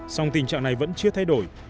song tình trạng này vẫn chưa thay đổi